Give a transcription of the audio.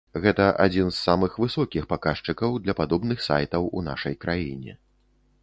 Гэта адзін з самых высокіх паказчыкаў для падобных сайтаў у нашай краіне.